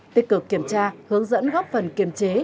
tích cực kiểm tra hướng dẫn góp phần kiềm chế